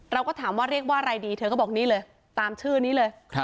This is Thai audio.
เราก็ถามว่าเรียกว่าอะไรดีเธอก็บอกนี่เลยตามชื่อนี้เลย